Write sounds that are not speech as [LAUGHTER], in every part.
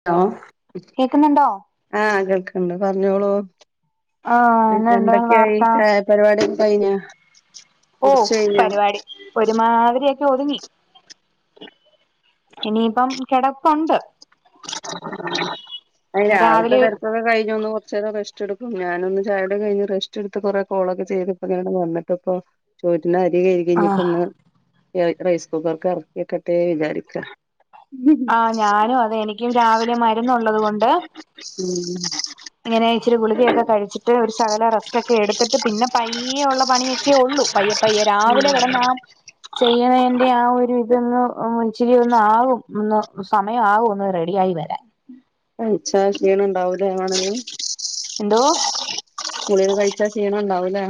ന്തോ കേക്കുന്നുണ്ടോ ആഹ് കേൾക്ക്ണ്ട്പറഞ്ഞോളൂ ആഹ് [UNINTELLIGIBLE] ഇന്ന് എന്താണ് എന്തൊക്കെയായി വാർത്ത ചായപരിപാടിയൊക്കെ കയ്ഞ്ഞോ? കുട്ച്ച്കയ്ഞ്ഞോ? ഒര്മാതിരിയൊക്കെ ഒതുങ്ങി. ഇനിയിപ്പം കെടപ്പുണ്ട്. അഹ് രാവിലെ രാവിലെത്തെതെര് ഒക്കെ കഴിഞ്ഞൊന്ന് കൊറചേരം റെസ്റ്റ്ട്ക്കും ഞാനൊന്ന് ചായകുടിക്കെ കഴിഞ്റെസ്റ്റ് എടുത്ത്കൊറെ കോളൊക്കെ ചെയ്യ്ത് പ്പങ്ങനെ വന്ന്ട്ട്പ്പോ ചോറ്റിനരികെയ്കി ആഹ് ഇഞ്ഞിപ്പോഇന്ന് റെയ്സ് കുക്കർക്ക് അറക്കിവെക്കെട്ടെന്ന് വിചാരിക്ക ഉം ആഹ് ഞാനുംഅതെ എനിക്കുംരാവിലെ മരുന്നുള്ളത്കൊണ്ട് [INAUDIBLE] എങ്ങനെ ഇച്ചിരിഗുളിയൊക്കെ കഴിച്ചിട്ട് ഒര്ശകലം റെസ്റ്റൊക്കെ എട്ത്തിട്ട് പിന്നെ പയ്യേഉള്ള പണിയൊ യുള്ളൂ പയ്യെപ്പയ്യെരാവിലെ കെടന്ന ചെയ്യണന്റെ ആ ഒര്ഇതൊന്ന് ഇച്ചിരിന്നാവും. ന്ന് സമയാവും ഒന്ന്റെഡിയായി വരാൻ കഴിച്ച ക്ഷീണ ണ്ടാവൂല്ലേ വാണങ്കി. എന്തോ? കുളികകഴിച്ചാഷീണം ഇണ്ടാവുംലേ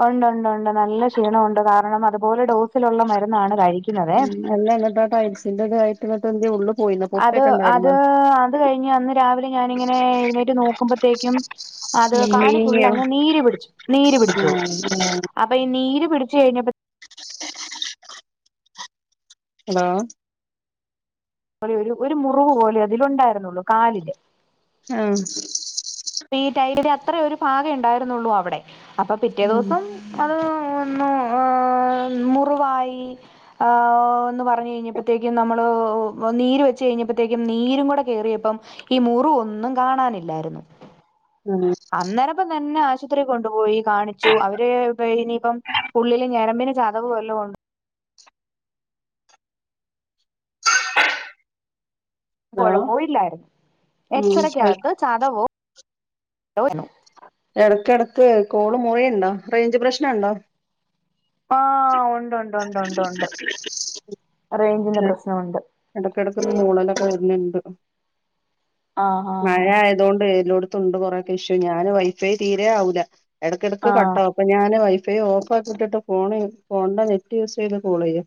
അഹ് ഉണ്ട് ഉണ്ട് ഉണ്ട് നല്ലേ ക്ഷീണംഒണ്ട് കാരണംഅതുപോലെ ഡോസിലുള്ള മരുന്നാണ് കഴി ന്നല്ലെഇങ്ങട്ടാ ടൈയിൽസിന്റെ ഇതായിട്ട് ന്നട്ട്എന്തേഉള്ള് അത്, അത്, അത്കഴിഞ്ഞ് അന്ന് രാവിലെ ഞാനിങ്ങനെ എഴുന്നേറ്റ് നോക്കുമ്പത്തേക്കും അത് കാല്ഫുള് നീങ്ങിയോ? അങ്ങ് നീര്പിടിച്ചു നീര് പിടിച്ചു ആഹ് ആഹ് അപ്പൊ ഈനീര് പിടിച്ചു കയ്ഞ്ഞപ്പ [INAUDIBLE] ഹലോ ഒര് ഒരു ഒരുമുറിവ് പോലെഅതില്ഇണ്ടായിര്ന്നൊള്ളൂ കാലില് ആഹ് പീ ടൈട്ല് അത്രേ ഒരുഭാഗം ഇണ്ടായിരിന്നൊള്ളു അവടെ അപ്പൊ പിറ്റേ ഉം ദിവസം അത് ഒന്ന് ആ മുറുവായി. ആന്ന് പറഞ്ഞ് കയ്ഞ്ഞപ്പത്തേക്കും നമ്മൾ നീര് വെച്ചയ്ഞ്ഞപ്പത്തേക്കും നീരും കൂടെ കേറിയപ്പം. ഈ മുർവ് ഒന്നുംകാണാനില്ലായിര്ന്നു. ആഹ് അന്നേരപ്പം തെന്നെ ആശുത്രി കൊണ്ട്പോയി കാണിച്ചു അവര് പ്പ് ഇനിപ്പം. ഉള്ള്ല് ഞരമ്പ്ന് ചതവ് വല്ലോം ഒ ഹലോ കൊഴപ്പോല്ലായിര്ന്നു ഉം എക്സറെക്കകത്ത് ചതവോ [UNINTELLIGIBLE] എടക്കെടക്ക് കോള് മുറിയ്ണ്ടോ റേയ്ഞ്ച് പ്രശ്നണ്ടോ? ആഹ് ഉണ്ട്, ഉണ്ട്, ഉണ്ട്, ഉണ്ട്, ഉണ്ട് റേയ്ഞ്ചിന്റെ പ്രശ്നൊണ്ട്. എടക്കെടക്ക് ഒര് മൂളലൊക്കെ വെര്ന് ണ്ട് ആഹ് മഴ ആഹ് ആയതൊണ്ട് എല്ലോട് തുണ്ട് കൊറേ ക്കെ ഇഷ്യു ഞാന് വൈ ഫൈ തീരെ ആവൂല ആഹ് എടക്കെടെക്ക് ആഹ് കട്ടാ പ്പ ഞാന് വൈ ഫൈ ഓഫാക്ക് ഇട്ട്ട്ട് ഫോൺ ഫോൺന്റെ നെറ്റ് യൂസെയ്യ്ത് കോളെയ്യ.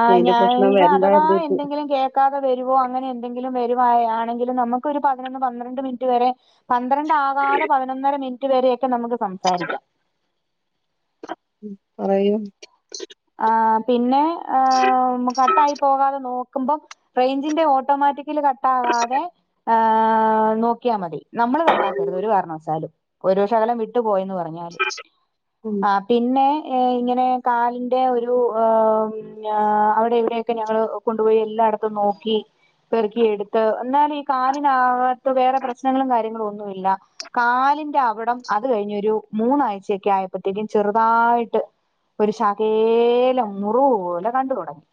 ആഹ് ഞാ വ അഥവാ എന്തെങ്കിലും കേ കാക്ക വരുവോ അങ്ങനെ എന്തെങ്കിലും വരുവായ ആണെങ്കിലും നമ്മക്ക് ഒരു പതിനൊന്ന് പന്ത്രണ്ട് മിനിറ്റ് വരെ പന്ത്രണ്ട് ആവാതെ പതിനൊന്നര മിനിറ്റ് വരേക്കെ നമുക്ക് സംസാരിക്കാം. പറയൂ ആഹ് പിന്നെ ഹേ കട്ടായി പോകാതെ നോക്കുമ്പോ റേഞ്ചിന്റെ ഓട്ടോമാറ്റിക് ൽ കട്ടാകാതെ ആഹ് നോക്കിയാ മതി നമ്മള് കട്ടാക്കരുത് ഒരു കാരണവശാലും. ഒരു ശകലം വിട്ടു പോയന്ന് പറഞ്ഞാലും ഉം ആഹ് പിന്നെ ഇങ്ങനെ കാല് ടെ ഒരു ഹ് ഞാ അവടെ ഇവടെയക്കെ ഞങ്ങള് കൊണ്ടുപോയി എല്ലായിടത്തും നോക്കി. പെറുക്കിയെടുത്ത് എന്നാലും ഈ കാലിനാവാത്ത വേറെ പ്രശ്നങ്ങളും കാര്യങ്ങളും ഒന്നുല്ല. കാലിന്റെ അവടം അത് കഴിഞ്ഞൊരു മൂന്നാഴ്ച ക്കെ ആയപ്പോത്തേക്കും ചെറുതായിട്ട് ഒരു ശ തേലം ന്നുറുവ് പോലെ കണ്ടു തൊടങ്ങി.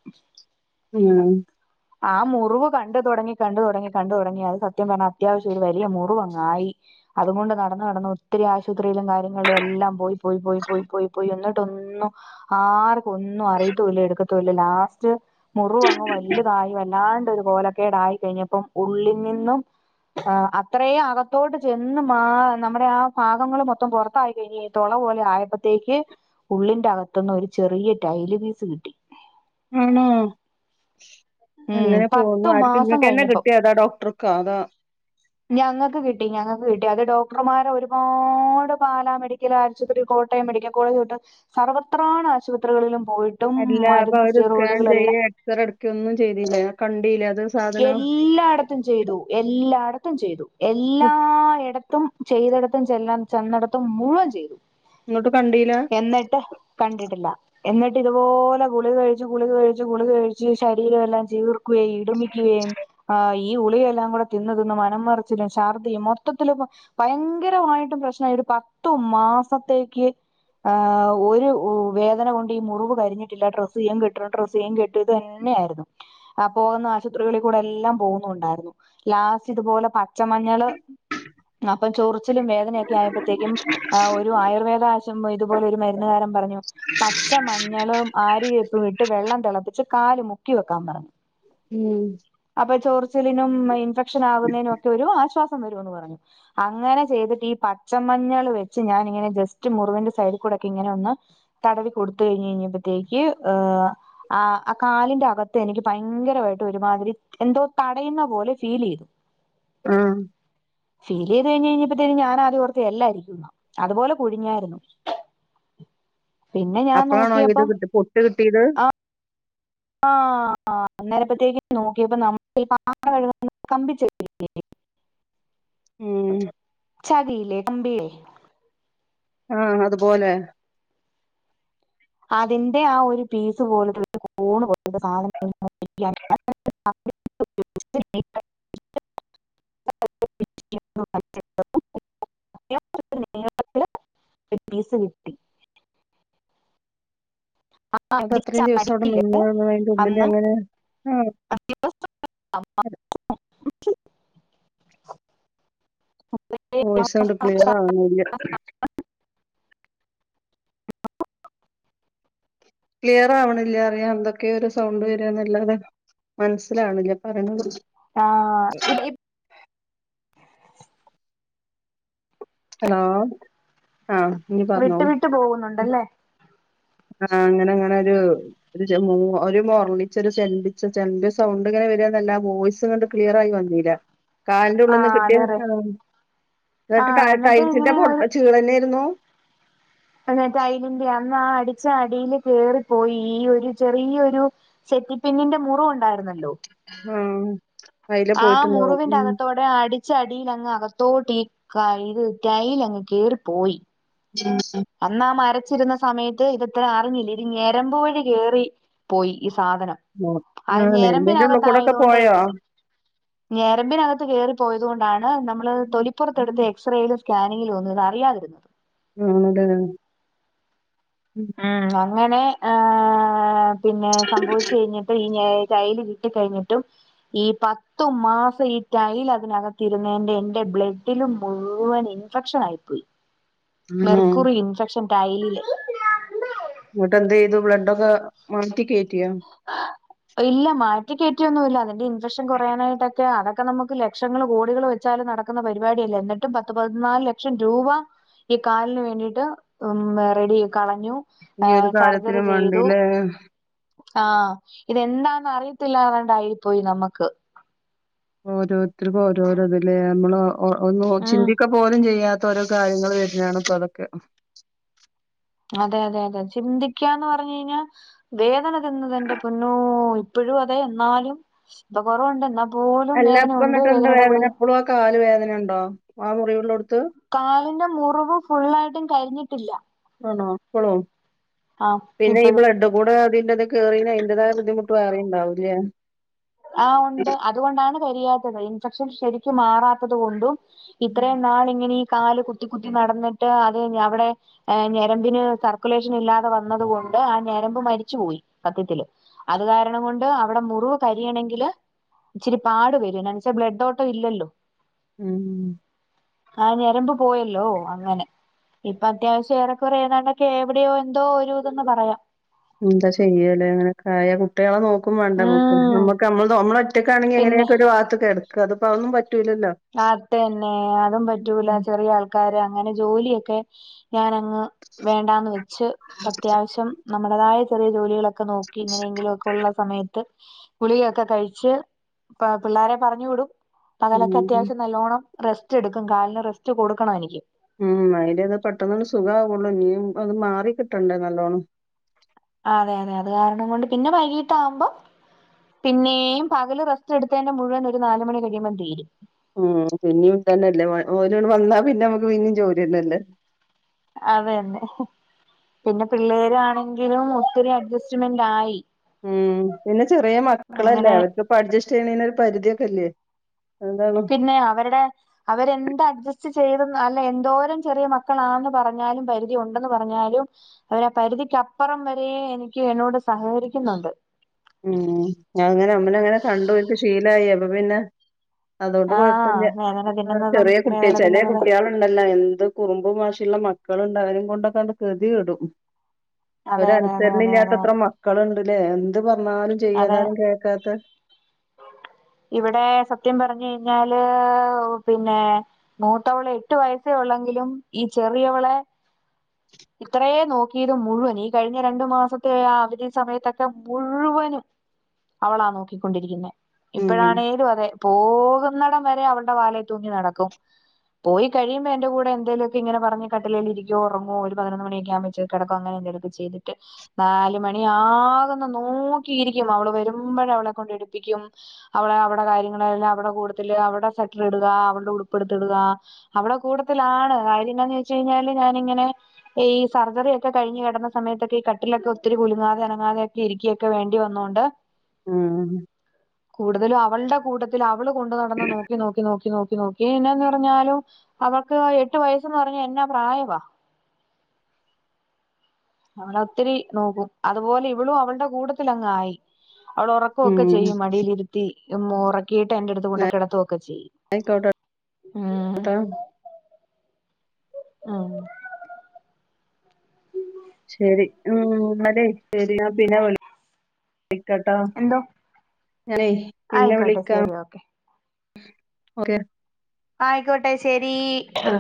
ഉം ആഹ് മുറുവ് കണ്ട് തൊടങ്ങി കണ്ട് തൊടങ്ങി കണ്ട് തൊടങ്ങി അത് സത്യം പർഞ്ഞാ അത്യാവശ്യം ഒരു വലിയ മുറുവ് അങ്ങായി. അതുകൊണ്ട് നടന്ന് നടന്ന് ഒത്തിരി ആശുപത്രിയിലും കാര്യങ്ങളിലും എല്ലാം പോയി പോയി പോയി പോയി പോയി. പോയി എന്നിട്ട് ഒന്നും ആർക്കും ഒന്നും അറിയത്തുല്ല എടുക്കത്തുല്ല ലാസ്റ്റ്. മുറുവങ്ങ് വല്യതായി വല്ലാണ്ട് ഒരു കോലക്കേട് ആയി കഴിഞ്ഞപ്പം ഉള്ളിൽ നിന്നും ആഹ് അത്രേ അകത്തോട് ചെന്ന് മാ നമ്മുടെ ആ ഭാഗങ്ങള് മൊത്തം പൊറത്തായി കഴിഞ്ഞ തൊള പോലെ ആയപ്പത്തേക്ക് ഉള്ള്ന്റെ അകത്ത്ന്ന് ഒരു ചെറിയ ടൈല് പീസ് കിട്ടി. ആണോ? ഉം അങ്ങനെ പോവുന്നു പത്ത് ആർക്ക് മാസം ഇങ്ങക്കെന്നെ കഴിഞ്ഞപ്പം കിട്ടിയോ? അതോ ഡോക്ടർ കാതാ ഞങ്ങക്ക് കിട്ടി ഞങ്ങക്ക് കിട്ടി. അത് ഡോക്ടർമാരോ ഒരുപാട് പാലാ മെഡിക്കൽ ആ ആശുപത്രി കോട്ടയം മെഡിക്കൽ കോളജ് തൊട്ട് സർവത്രാണ് ആശുപത്രികളിലും പോയി. അല്ല അപ്പ അവര് സ്കാൻ ചെയ്യേ എക്സറേ ട്ക്കേ ഒന്നും ചെയ്തില്ലേ കണ്ടീല്ല അത്? സാധനം എല്ലായടത്തും ചെയ്തു എല്ലായടത്തും ചെയ്തു എല്ലായടത്തും. ചെയ്തടത്തും ചെല്ലാം ചെന്നടത്തും മുഴുവൻ ചെയ്തു. ഇങ്ങോട്ട് കണ്ടീലാ എന്നിട്ട് കണ്ട്ട്ട്ല്ല. എന്നിട്ട് ഇതുപോലെ ഗുളിക കഴിച്ച് ഗുളിക കഴിച്ച് ഗുളിക കഴിച്ച് ശരീരം എല്ലാം ചീർക്കുകേ ഇടുമി യും ആഹ് ഈ ഉളികയെല്ലാം കൂടെ തിന്ന് തിന്ന് മനം മറച്ചിലും ചർദിയും മൊത്തത്തില് ഇപ്പോ ഭയങ്കരമായിട്ടും പ്രശ്നായ ഒരു പത്തു മാസത്തേക്ക് ആഹ് ഒരു വേ വേദന കൊണ്ട് ഈ മുറുവ് കരിഞ്ഞിട്ടില്ല ഡ്രസ്സ് യ്യും കെട്ടും ഡ്രസ്സ് യ്യും കെ ഇത് തന്നെ ആയിരുന്നു അപ്പൊ നഷ് [UNINTELLIGIBLE] കൂടെ എല്ലാം പോകുന്നുണ്ടായിരുന്നു ലാസ്റ്റ് ഇതുപോലെ പച്ചമഞ്ഞള് അപ്പം ചൊർച്ച്ലും വേദനയൊക്കെ ആയപത്തേക്കും ആഹ് ഒ ഒരു ആയുർവേദ ആശം ഇതുപോലെ ഒരു മെര്ന്ന് കാരൻ പറഞ്ഞു. പച്ച മഞ്ഞളും ആരിവേപ്പും ഇട്ട് വെള്ളം തെളപ്പിച്ച് കാല് മുക്കി വെക്കാൻ പറഞ്ഞു. ഉം അപ്പൊ ചോർച്ചിലിനും ഇൻഫെക്ഷൻ ആകുന്നതിനും ഒക്കെ ഒരു ആശ്വാസം വരുവെന്നു പറഞ്ഞു അങ്ങനെ ചെയ്തിട്ട് ഈ പച്ചമഞ്ഞള് വെച്ച് ഞാനിങ്ങനെ ജസ്റ്റ് മുറിവിന്റെ സൈഡിൽ കൂടെ ഒക്കെ ഇങ്ങനെ ഒന്ന് തടവി കൊടുത്ത് കഴിഞ്ഞ് കഴിഞ്ഞപത്തേക്ക് ഏഹ ആഹ് കാലിന്റെ അകത്ത് എനിക്ക് ഭയങ്കരമായിട്ട് ഒരുമാതിരി എന്തോ തടയുന്ന പോലെ ഫീൽ ചെയ്തു ആഹ് ഫീൽ ചെയ്ത്കഴിഞ്ഞ് കഴിഞ്ഞപ്പത്തേനും ഞാന ആദ്യം ഓർത്ത് എല്ലായിരിക്കു എന്നാ. അതുപോലെ കുഴിഞ്ഞയിരുന്നു അപ്പളാണോ ഇത് നോക്കിയപ്പം കിട്ട് പൊട്ട് കിട്ടിയത് ആഹ് അന്നേരപ്പത്തേക്ക് നോക്കിയപ്പോ നമ്മ കാല് മുഴുവനും സ്‌തംപ്പിച്ചു പോയി ഇല്ലേ ഉം ചതില്ലേ അമ്പ് ഇല്ലേ ആഹ് അതുപോലെ അതിന്റെ ആ ഒരു പീസ് പോലത്തെ ഒരു കോണ് പോലത്തെ സാധന [UNINTELLIGIBLE] [INAUDIBLE] [INAUDIBLE] ല് ഒരു പീസ് കിട്ടി ആ അത് അടിച്ച അത്രയും ദിവസം അവിടെ അടീല് നിന്നതാ അതിന്റെ ഉള്ളില് അന്ന് [INAUDIBLE] അങ്ങനെ ആഹ് വോയ്സാണ്ട് ക്ലിയറാവ്ണില്ല ക്ലിയറാവ്ണില്ല്യ അറയാ എന്തൊക്കെയൊരു സൗണ്ട് വര്ന്നല്ലാതെ മൻസ്സിലാണില്ല്യ പറയിണതൊന്നും ആഹ് ഇഡ്ലിപ്പ് ഹലോ ആഹ് ഇനി വിട്ട് പറഞ്ഞോളൂ വിട്ട് പോകുന്നുണ്ടല്ലേ ആഹ് അങ്ങനങ്ങനൊരു ഒരു ചെ മൂ ഒരു മോർണിച്ചൊരു ചെമ്പിച്ച ചെൻ്റെ സൗണ്ട്ങ്ങനെ വര്ആന്നല്ലാ വോയ്സ് ങ്ങട്ട് ക്ലിയറായി വന്നീലാ ആ കാല്ൻ്റുള്ളിന്ന് കിട്ടിയ അതെ അതെ അതാ ആ ന്നട്ട് ട്ടാ എന്നിട്ട് ടൈൽസിന്റ ഇങ്ങനെ പൊട്ട് അ ചീളന്നേയിരുന്നു അന്ന് ടൈലിന്റെയന്ന് ആ അടിച്ച അടീല് കേറിപ്പോയി ഈ ഒരു ചെറിയൊരു സെറ്റിപ്പിന്നിന്റെ മുറിവൊണ്ടായിരുന്നല്ലോ ഉം അയില് പോയിട്ട്ണ്ടാവും ഉം ന്ന് അടിച്ച അടീലങ്ങ് അകത്തോട്ടീ കയില് ടൈലങ്ങ് കേറിപ്പോയി [INAUDIBLE] അന്നാ മരച്ചിരുന്ന സമയത്ത് ഇതിത്തറെ അറിഞ്ഞില്ല ഇത് ഞെരമ്പ് വഴി കേറി പോയി ഈ സാധനം ഉം അയ് ആഹ് നെരമ്പിന്റെ ഉള്ള് കൂടൊക്കെ ഞെരമ്പിനകത്തായതുകൊണ്ടേ പോയോ എക്സ് ഞെരമ്പിനകത്ത് കേറി പോയത്കൊണ്ടാണ് നമ്മള് തൊലിപ്പൊറത്തെടുത്ത എക്സറേല് സ്കാനിങ്ങിലൊന്നു ഇതറിയാതിരുന്നത് ആണ്ലേ ഉം അങ്ങനെ ആഹ് പിന്നെ സംഭവിച്ചു കഴിഞ്ഞിട്ട് ഈ ഞയ് ടൈല് കിട്ടി കഴിഞ്ഞിട്ടും ഈ പത്തു മാസം ഈ ടൈൽ അതിനകത്തിരുന്നയിന്റെ എന്റെ ബ്ലഡില് മുഴുവനി ഇൻഫെക്ഷനായിപ്പോയി ആണോ മെർക്കുറി ഇൻഫെക്ഷൻ ടൈലില് ഇന്നട്ടെന്തെയ്തു ബ്ലഡൊക്കെ മാറ്റി കേറ്റിയോ ഹ ഇല്ല മാറ്റിക്കേറ്റിയൊന്നുല്ല അതിന്റെ ഇൻഫെക്ഷൻ കൊറയാനായിട്ടക്കെ അതക് ക്കെ നമ്മുക്ക് ലക്ഷങ്ങള് കോടികള് വെച്ചാലും നടക്കുന്ന പരിപാടിയല്ല എന്നിട്ടും പത്ത് പതിനാല് ലക്ഷം രൂവാ ഈ കാലിന് വേണ്ടീട്ട് ഉം വെറെഡി കളഞ്ഞു ആഹ് സർജറി ചെയ്തു ഏഹ് ആഹ് ഇതെന്താന്നറിയത്തില്ലാതാണ്ടായിപ്പോയി നമക്ക് ഓരോരുത്തര്ക്ക് ഓരോരോ ഇത് ല്ലേ നമ്മള ഒ ഒന്ന് ഓ ഉം ചിന്തിക്ക പോലും ചെയ്യാത്ത് ത്തോരോ കാര്യങ്ങള് വര്ണാണ്പ്പൊ അതൊക്കെ അതെയതെയതെ ചിന്തിക്കാന്ന് പറഞ്ഞ് കഴിഞ്ഞാ വേദന തിന്നതെന്റെ പൊന്നോ ഇപ്പഴുവതെ എന്നാലും ഇപ്പൊ കൊറവുണ്ടെന്നാപ്പ് അല്ല ഇപ്പൊന്നിട്ടെന്താ വേദന ഇപ്പളുവാ കാല് വേദനയൊണ്ടോ ആ മുറിവിള്ളോടത്ത് കാലിന്റെ മുറിവ് ഫുള്ളായിട്ടും കരിഞ്ഞിട്ടില്ല ആണോ ഇപ്പളും ആഹ് പിന്നെ ഈ ഇപ്പഴും ബ്ലഡൊ കൂടെ അതിന്റന്തേ കേറീനയിന്റതായ ബുദ്ധിമുട്ട് വേറേ ഇണ്ടാവൂല്ല്യേ ആഹ് ഉണ്ട് അതുകൊണ്ടാണ് കരിയാത്തത് ഇൻഫെക്ഷൻ ശരിക്കും മാറാത്തത് കൊണ്ടും ഇത്രയും നാളിങ്ങനെയീ കാല് കുത്തി കുത്തി നടന്നിട്ട് അത് ഞവടെ ഏഹ് ഞെരമ്പിന് സർക്കുലേഷനില്ലാതെ വന്നത് കൊണ്ട് ആ ഞെരമ്പ് മരിച്ചുപോയി സത്യത്തില് അത് കാരണം കൊണ്ട് അവടെ മുറിവ് കര് രിയണെങ്കില് ഇച്ചിരി പാട് വരു എന്നാന്ന് വെച്ചാ ബ്ലഡോട്ടവില്ലല്ലോ ഉം ആ ഞരമ്പ് പോയല്ലോ അങ്ങനെ ഇപ്പ അത്യാവശ്യം ഏറെക്കുറെ ഏതാണ്ടൊക്കെ എവിടെയോ എന്തോ ഒരു തന്ന് പറയാം ന്താ ചെയാല്ലേ ഇങ്ങനെ ക്കായ കുട്ടികളെ നോക്കും വേണ്ട മ്മുക്ക് ഉം നമ്മക്ക് മ്മള്ത് മ്മള് ഒറ്റക്കാണെങ്കി പിന്നെ എങ്ങനെകൊക്ക ഒരു ഭാഗത്ത് കെട ക്കത് പ്പ അതൊന്നും പറ്റൂല്ലല്ലോ അതന്നെ അതും പറ്റൂല ചെറിയ ആൾ ക്കാര് അങ്ങനെ ജോലിയൊക്കെ ഞാനങ്ങ് വേണ്ടാന്ന് വെച്ച് പ്പത്യാവശ്യം നമ്മടതായ ചെറിയ ജോലികളൊക്ക നോക്കി ഇങ്ങനെയെങ്കിലും ഒക്ക ഉള്ള സമയ ത്ത് ഗുളിയൊക്ക കഴിച്ച് പ പിള്ളാരെ പറഞ്ഞു വിടും പകലൊക്ക ഉം നല്ലോണം റെസ്റ്റ് എടുക്കും കാലിന് റെസ്റ്റ് കൊടുക്കണം എനിക്ക് ഉം അയിന്റെത് പെട്ടന്ന് ങ്ങ്ട് സുഖാവുള്ളു ഇനിയും അത് മാറി കിട്ടണ്ടേ നല്ലോണം അതെ അതെ അത് കാരണം കൊണ്ട് പിന്നെ വൈകീട്ട് ആവുമ്പൊ പിന്നേയും പകല് റസ്റ്റ് എടുത്തേന്റെ മുഴുവൻ ഒരു നാല് മണി കഴിയുമ്പ തീരും ഉം പിന്നേം ഇതന്നല്ലേ വ ഓര്ക്ട് വന്നാ പിന്നെ മ്മുക്ക് പിന്നേം ജോലിന്നല്ലേ അതന്നെ പിന്നെ പിള്ളേരാണെങ്കിലും ഒത്തിരി അഡ്ജസ്റ്റ്മെന്റ് ആയി ഉം പിന്നെ ചെറിയ മക്കളല്ലേ അങ്ങനെ അവര്ക്ക് പ്പ അഡജസ്റ്റെയ്യണേന് ഒരു പരിധിയൊക്കെ ഇല്ലേ അതാണ് ന്നെ അവരടെ അവരെന്തഡ്ജസ്റ്റ് ചെയ്തെന്ന് അല്ല എന്തോരം ചെറിയ മക്കളാന്ന് പറഞ്ഞാലും പരിധി ഒണ്ടെന്ന് പറഞ്ഞാലും അവരാ പരിധിക്കപ്പറം വരെ എനിക്ക് എന്നോട് സഹകരിക്ക്‌ന്നുണ്ട് ഉം ഞ്ഞി അത്ങ്ങനെ അമ്നെ ങ്ങനെ കണ്ടോല്ക്ക്‌ ശീലായി അപ്പൊ പിന്നെ അതോണ്ട് ആഹ് കൊഴപ്പല്ല്യ വേദന ഇപ്പ തിന്നുന്നതും ചെറ്യേ കുട്ടി വേദന ചെലേ തിന്നുന്നത് കുട്ട്യാള് ണ്ടല്ലോ എന്ത് കുറുമ്പും വാശിള്ള മക്കള്ണ്ട് അവരേം കൊണ്ടൊക്ക അങ്ങ് ഗതികെടും ഉം അതെ അതെ അതെ അതെ അതെ ഒരനുസരണല്ല്യാത്തത്ര അതെ മ ക്കള്ണ്ട്ല്ലേ എന്ത് പറഞ്ഞാലും അതെ ചെയതാലും കേക്കാത്ത ഇവിടെ സത്യം പറഞ്ഞ് കഴിഞ്ഞാല് പിന്നെ മൂത്തവള് എട്ട് വയസ്സേ ഉള്ളങ്കിലും ഈ ചെറിയവളെ ഇത്രേം നോക്കിത് മുഴുവൻ ഈ കഴിഞ്ഞ രണ്ടു മാസത്തെ അവധി സമയത്തൊക്ക മുഴുവനും അവളാ നോക്കിക്കൊണ്ടിരിക്കുന്നേ ഉം ഇപ്പഴാണേലും അതെ പോകുന്നടം വരെ അവളടെ വാലെ തൂങ്ങി നടക്കും പോയി കഴിയുമ്പോ എന്റെ കൂടെ എന്തെലുക്കെ ഇങ്ങനെ പറഞ്ഞ് കട്ടിലേല് ഇരിക്കോ ഒറങ്ങോ ഒരു പതിനൊന്ന് മണിയൊക്കെ ആവുമ്പ ഇച്ചിരി കെടക്കോ അങ്ങനെ എന്തേലൊക്ക ചെയ്തിട്ട് നാല് മണി ആകുന്ന നോക്കിയിരിക്കും അവള് വരുമ്പഴേ അവളെ കൊണ്ട് ഇടുപ്പിക്കും അവടെ അവടെ കാര്യങ്ങള് അല്ല അവടെ കൂടത്തില് അവടെ സെറ്റർ ഇട്ക അവള്ടെ ഉടുപ്പെടുത്തിടുക അവടെ കൂടത്തിലാണ് കാര്യന്താന്ന് ചോയിച്ചഴിഞ്ഞാല് ഞാനിങ്ങനെ പ്പ ഈ സർജറി ഒക്കെ കഴിഞ്ഞ് കെടന്ന സമയത്തൊക്കെ ഈ കട്ടിലൊക്ക ഒത്തിരി കുലങ്ങാതെ അനങ്ങാതെ ഒക്കെ ഇരിക്കുയൊക്കെ വേണ്ടി വന്നോണ്ട് ഉം കൂടുതലും അ വള്ടെ കൂട്ടത്തിൽ അവള് കൊണ്ടു നടന്ന് നോക്കി നോക്കി നോക്കി നോക്കി നോക്കി ന്നെന്ന് പറഞ്ഞാലും അവൾക്ക് എട്ട് വയസ്സ് ന്ന് പറഞ്ഞ എന്നാ പ്രായവാ അവൾ ഒത്തിരി നോക്കും അതുപോലെ ഇവളും അവളുടെ കൂട്ടത്തിലങ്ങ് ആയി. അവള് ഒറക്കൊക്കെ ഉം ചെയ്യും മടീലിരുത്തി ഉം ഒറ കീട്ട് എന്റെ അടുത്ത് കൊണ്ടെ കെടത്തുവൊക്ക ചെയ്യും ആയിക്കോട്ടെട്ടോ ഉം ആഹ് ശരി ഉം നാലേ ശരി ഞാൻ പിന്നെ വിളി ളിക്കട്ടോ എന്തോ ഞാനെ പിന്നെ ആയിക്കോട്ടെ വിളിക്കാം ശരി ഓക്കെ ഓക്കെ ആയ്കോട്ടെ ശരി ആഹ്